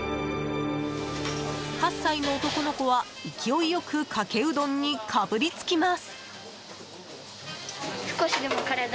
８歳の男の子は、勢いよくかけうどんにかぶりつきます。